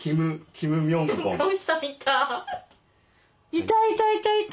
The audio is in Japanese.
いたいたいたいた。